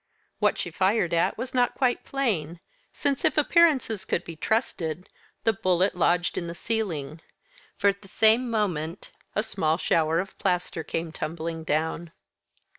What she fired at was not quite plain, since, if appearances could be trusted, the bullet lodged in the ceiling; for, at the same moment, a small shower of plaster came tumbling down.